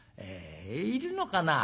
「いるのかな？